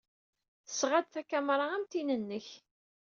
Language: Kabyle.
Tesɣa-d takamra am tin-nnek.